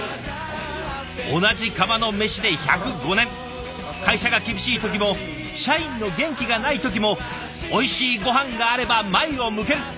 同じ釜の飯で１０５年会社が厳しい時も社員の元気がない時もおいしいご飯があれば前を向ける。